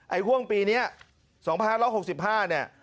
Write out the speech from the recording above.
ไอ้ห่วงปีนี้สองพันธุ์ห้าร้องหกสิบห้าเนี่ย